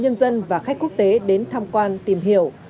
nhân dân và khách quốc tế đến tham quan tìm hiểu